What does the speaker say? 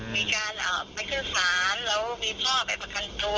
มีการไปขึ้นศาลแล้วมีพ่อไปประกันตัว